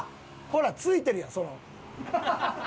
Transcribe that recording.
ほら付いてるやんその。